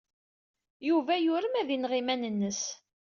Yuba yurem ad ineɣ iman-nnes.